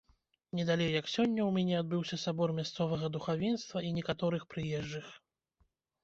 Не далей, як сёння ў мяне адбыўся сабор мясцовага духавенства і некаторых прыезджых.